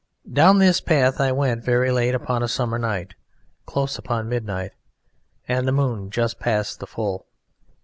Down this path I went very late upon a summer night, close upon midnight, and the moon just past the full.